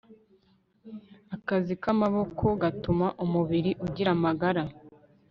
Akazi kamaboko gatuma umubiri ugira amagara